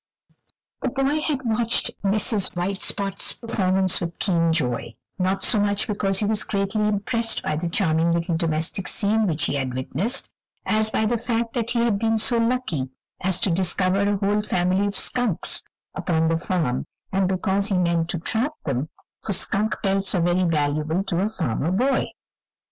The boy had watched Mrs. White Spot's performance with keen joy, not so much because he was greatly impressed by the charming little domestic scene which he had witnessed, as by the fact that he had been so lucky as to discover a whole family of skunks upon the farm, and because he meant to trap them, for skunk pelts are very valuable to a farmer boy.